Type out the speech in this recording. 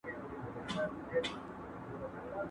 ¬ چي و دي نه پوښتي، مه گډېږه.